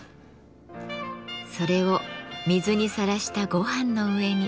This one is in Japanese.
それを水にさらしたごはんの上に。